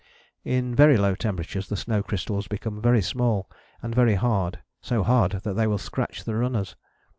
In very low temperatures the snow crystals become very small and very hard, so hard that they will scratch the runners.